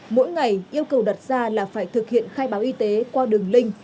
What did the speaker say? mỗi ngày yêu cầu đặt ra là phải thực hiện khai báo y tế qua đường link